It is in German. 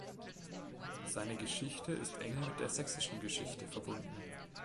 Seine Geschichte ist eng mit der sächsischen Geschichte verbunden.